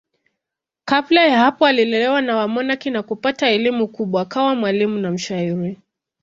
Kabla ya hapo alilelewa na wamonaki na kupata elimu kubwa akawa mwalimu na mshairi.